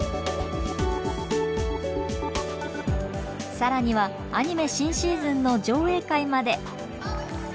更にはアニメ新シーズンの上映会まで。